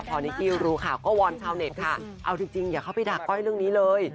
พอนิกกี้รู้ข่าวก็วอนชาวเน็ตค่ะเอาจริงอย่าเข้าไปด่าก้อยเรื่องนี้เลย